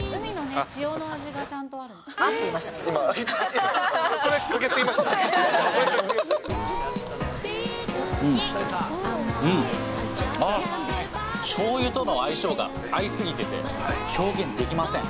あっ、しょうゆとの相性が合いすぎてて、表現できません。